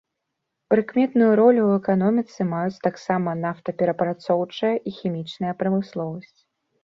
Прыкметную ролю ў эканоміцы маюць таксама нафтаперапрацоўчая і хімічная прамысловасць.